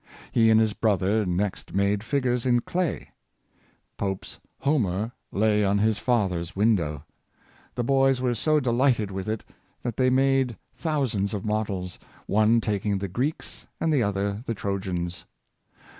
He and his brother next made figures in clay. Pope's Homer lay on his father's window. The boys were so delighted with it that they made thous ands of models — one taking the Greeks and the other the Trojans.